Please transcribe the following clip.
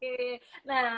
terima kasih garuda indonesia